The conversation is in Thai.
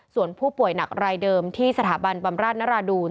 ส่วนผู้ป่วยหนักรายเดิมที่สถาบันบำราชนราดูน